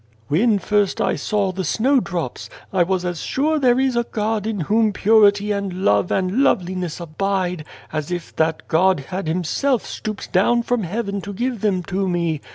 " When first I saw the snowdrops, I was as sure there is a God in Whom purity and love and loveliness abide, as if that God had Him self stooped down from heaven to give them to me.